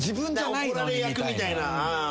怒られ役みたいな。